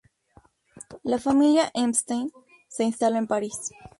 La familia Epstein se instaló en París.